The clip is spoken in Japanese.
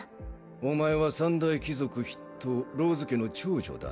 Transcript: お前は三大貴族筆頭ローズ家の長女だ